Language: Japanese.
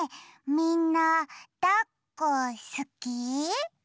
みんなだっこすき？